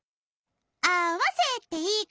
あわせていくつ？